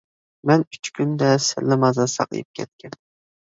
مەن ئۈچ كۈندە سەللىمازا ساقىيىپ كەتكەن.